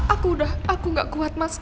aku udah aku gak kuat mas